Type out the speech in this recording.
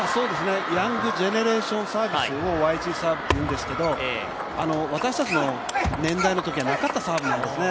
ヤングジェネレーションサービスをＹＧサーブというんですけど私たちの年代のときはなかったサービスなんですね。